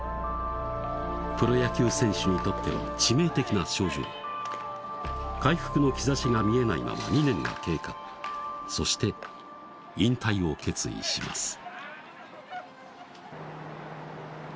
プロ野球選手にとっては致命的な症状回復の兆しが見えないまま２年が経過そして引退を決意します